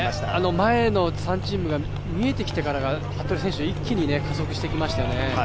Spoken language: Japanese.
前の３チームが見えてきてからが服部選手、一気に加速してきましたよね。